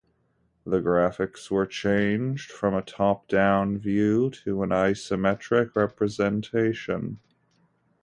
The graphics were changed from a top-down view to an isometric representation.